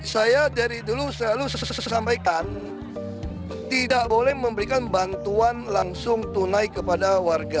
saya dari dulu selalu saya sampaikan tidak boleh memberikan bantuan langsung tunai kepada warga